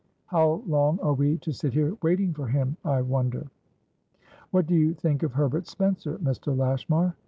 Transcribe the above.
How long are we to sit here waiting for him, I wonder?" "What do you think of Herbert Spencer, Mr. Lashmar?"